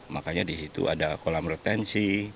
makanya di situ ada kolam retensi